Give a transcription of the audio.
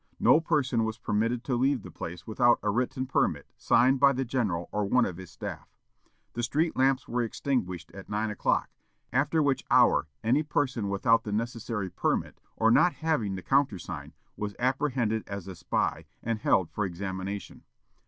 No person was permitted to leave the place without a written permit signed by the general or one of his staff. The street lamps were extinguished at nine o'clock, after which hour any person without the necessary permit or not having the countersign was apprehended as a spy and held for examination.